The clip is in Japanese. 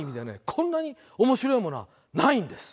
こんなに面白いものはないんです！